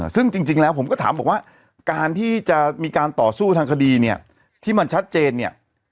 ซึ่งจริงแล้วผมก็ถามบอกว่าการที่จะมีการต่อสู้ทางคดีเนี่ยที่มันชัดเจนเนี่ย